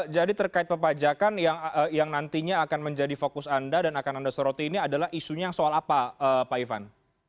jadi terkait perpajakan yang nantinya akan menjadi fokus anda dan akan anda soroti ini adalah isunya soal apa pak ivan